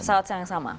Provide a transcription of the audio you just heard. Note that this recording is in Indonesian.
pesawat yang sama